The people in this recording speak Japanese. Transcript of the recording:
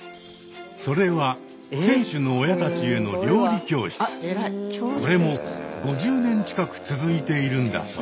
それは選手の親たちへのこれも５０年近く続いているんだそう。